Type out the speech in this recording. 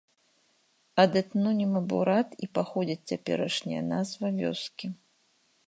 Ад этноніма бурат і паходзіць цяперашняя назва вёскі.